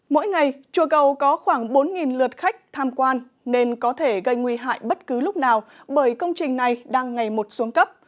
mỗi ngày chùa cầu có khoảng bốn lượt khách tham quan nên có thể gây nguy hại bất cứ lúc nào bởi công trình này đang ngày một xuống cấp